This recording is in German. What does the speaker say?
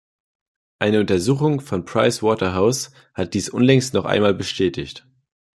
Eine Untersuchung von Price Waterhouse hat dies unlängst noch einmal bestätigt.